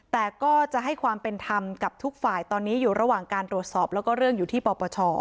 แต่ก็จะให้ความเป็นธรรมกับทุกฝ่ายตอนนี้อยู่ระหว่างการตรวจสอบแล้วก็เรื่องอยู่ที่ปปช